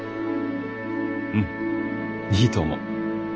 うんいいと思う。